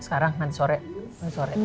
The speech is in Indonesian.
sekarang nanti sore